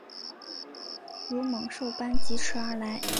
如猛兽般疾驶而来